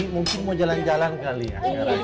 mungkin mau jalan jalan kali ya